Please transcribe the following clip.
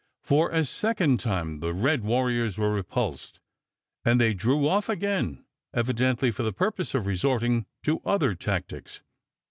For a second time the red warriors were repulsed, and they drew off again, evidently for the purpose of resorting to other tactics.